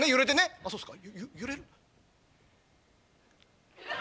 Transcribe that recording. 「あっそうっすか。